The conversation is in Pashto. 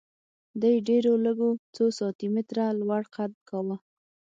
دې ډېرو لږو څو سانتي متره لوړ قد کاوه